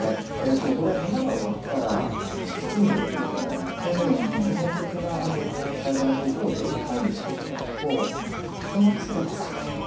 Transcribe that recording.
これ花が終わったら土に植えていただいて基本的な栽培方法で管理していただくとうまくすれば咲く。